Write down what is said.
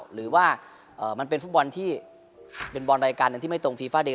หรือว่ามันเป็นฟุตบอลที่เป็นบอลรายการหนึ่งที่ไม่ตรงฟีฟาเดย